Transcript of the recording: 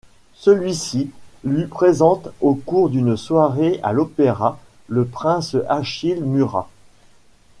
Celui-ci lui présente au cours d'une soirée à l'Opéra, le prince Achille Murat.